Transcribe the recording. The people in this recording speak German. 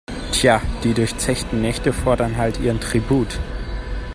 Tja, die durchzechten Nächte fordern halt ihren Tribut.